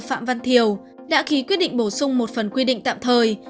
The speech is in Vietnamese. phạm văn thiều đã ký quyết định bổ sung một phần quy định tạm thời